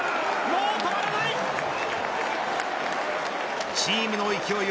もう止まらない。